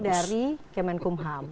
ada penyesalan dari kemenkumham